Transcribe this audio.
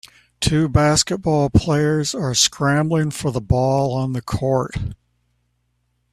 Two basketball players are scrambling for the ball on the court.